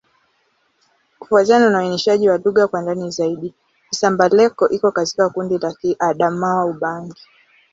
Kufuatana na uainishaji wa lugha kwa ndani zaidi, Kisamba-Leko iko katika kundi la Kiadamawa-Ubangi.